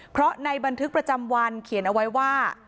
เพราะในบันทึกประจำวันเขียนเอาไว้ว่า